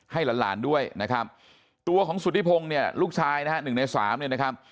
ให้หลานด้วยนะครับตัวของสุธิพงเนี่ยลูกชายนะ๑ใน๓เนี่ยนะครับ